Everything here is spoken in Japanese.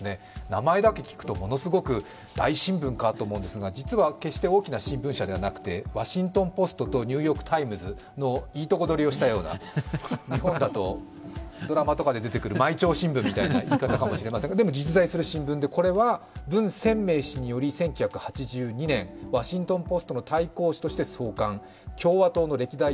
名前だけ聞くとものすごく大新聞かと思うんですが実は決して大きな新聞社ではなくて「ワシントン・ポスト」と「ニューヨーク・タイムズ」のいいとこどりをしたような日本だとドラマとかで出てくる毎朝新聞みたいな言い方かもしれませんがでも実在する新聞で、これは文鮮明氏により１９８２年「ワシントン・ポスト」の対抗紙として創刊。